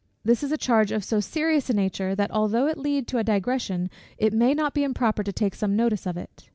This is a charge of so serious a nature, that although it lead into a digression, it may not be improper to take some notice of it.